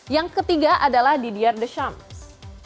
yang ketiga adalah didier deschamps